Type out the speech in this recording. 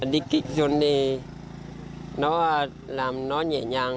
đi kích dùng thì nó làm nó nhẹ nhàng